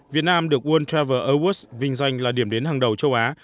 việt nam được world travel awards vinh danh là điểm đến hàng đầu châu á